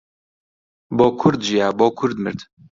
بۆ کورد ژیا، بۆ کورد مرد